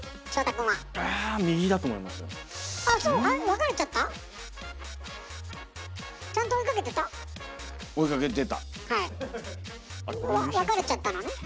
分かれちゃったのね。